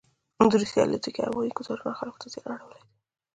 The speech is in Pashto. دروسیې الوتکوهوایي ګوزارونوخلکو ته زیان اړولی دی.